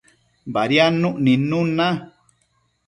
Badiadnuc nidnun na